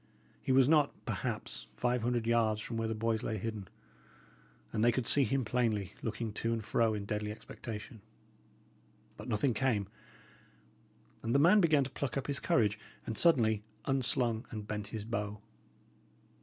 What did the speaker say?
He was not, perhaps, five hundred yards from where the boys lay hidden; and they could see him plainly, looking to and fro in deadly expectation. But nothing came; and the man began to pluck up his courage, and suddenly unslung and bent his bow.